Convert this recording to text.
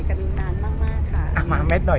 ก็ขายกระดุ๊ณนานมากค่ะ